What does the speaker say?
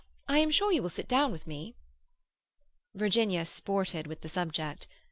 I am sure you will sit down with me?" Virginia sported with the subject.